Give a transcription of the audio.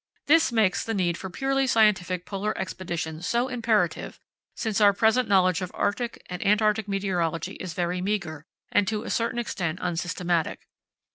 This makes the need for purely scientific Polar Expeditions so imperative, since our present knowledge of Arctic and Antarctic meteorology is very meagre, and to a certain extent unsystematic.